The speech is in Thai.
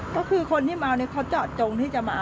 ก็คือคนที่เมาเนี่ยเขาเจาะจงที่จะมา